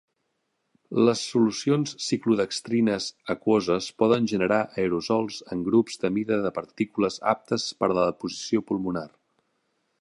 Les solucions ciclodextrines aquoses poden generar aerosols en grups de mida de partícules aptes per a la deposició pulmonar.